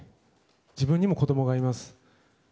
自分にも子供がいます。